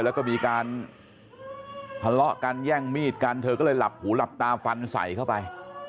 แล้วก็มีการทะเลาะกันแย่งมีดกันเธอก็เลยหลับหูหลับตาฟันใส่เข้าไป